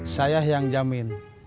saya yang jamin